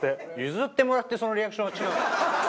譲ってもらってそのリアクションは違うよ。